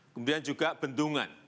kemudian juga bendungan